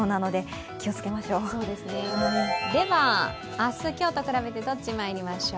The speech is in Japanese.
明日、今日と比べてどっちまいりましょう。